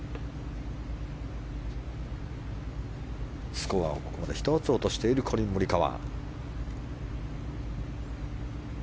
スコアをここで１つ落としているコリン・モリカワ。